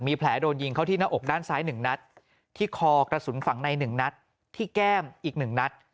มีแผลโดนยิงเข้าที่หน้าอกด้านซ้าย๑นัดที่คอกระสุนฝั่งใน๑นัดที่แก้มอีก๑นัด